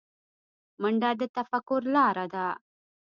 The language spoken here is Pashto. منډه د تفکر لاره ده